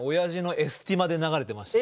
エスティマで流れてた。